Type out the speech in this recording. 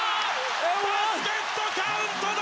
バスケットカウントだ！